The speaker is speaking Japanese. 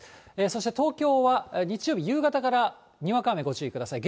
そして東京は日曜日、夕方からにわか雨、ご注意ください。